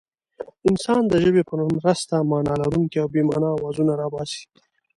انسان د ژبې په مرسته مانا لرونکي او بې مانا اوازونه را باسي.